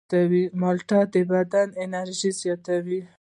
مالټې د بدن انرژي زیاتوي.